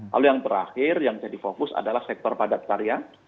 lalu yang terakhir yang jadi fokus adalah sektor padat karya